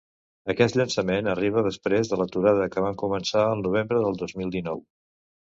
Aquest llançament arriba després de l’aturada que van començar el novembre del dos mil dinou.